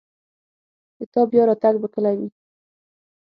د تا بیا راتګ به کله وي